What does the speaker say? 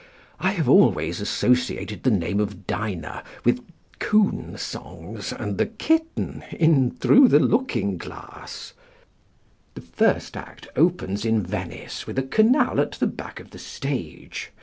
I have always associated the name of Dinah with coon songs and the kitten in Through the Looking Glass. The first act opens in Venice with a canal at the back of the stage.